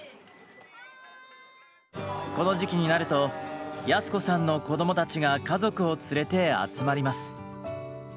この時期になると靖子さんの子供たちが家族を連れて集まります。